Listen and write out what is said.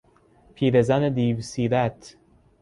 پیرزن دیوسیرت